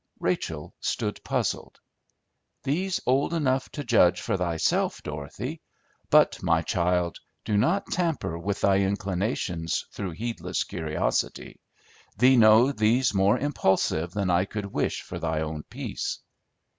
Rachel stood puzzled. "Thee's old enough to judge for thyself, Dorothy. But, my child, do not tamper with thy inclinations through heedless curiosity. Thee knows thee's more impulsive than I could wish for thy own peace."